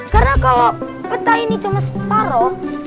karena kalau peta ini cuma separoh